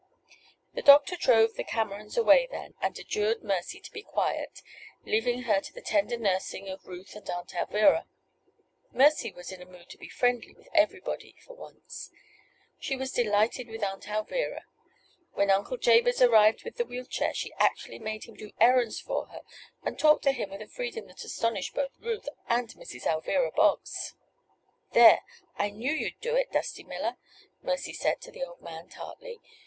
The doctor drove the Camerons away then, and adjured Mercy to be quiet, leaving her to the tender nursing of Ruth and Aunt Alvirah. Mercy was in a mood to be friendly with everybody for once. She was delighted with Aunt Alvirah. When Uncle Jabez arrived with the wheelchair she actually made him do errands for her and talked to him with a freedom that astonished both Ruth and Mrs. Alvirah Boggs. "There! I knew you'd do it, Dusty Miller," Mercy said to the old man, tartly.